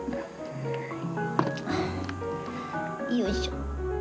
よいしょ。